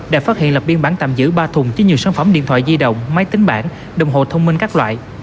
đã phát hiện lập biên bản tạm giữ ba thùng chứa nhiều sản phẩm điện thoại di động máy tính bản đồng hồ thông minh các loại